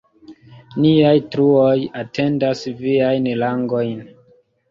Niaj truoj atendas viajn langojn“.